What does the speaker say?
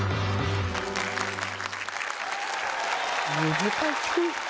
難しい。